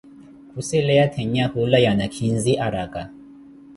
Khusileya thennhya hula ya nakhinzi, araka.